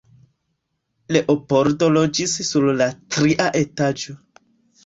Leopoldo loĝis sur la tria etaĝo.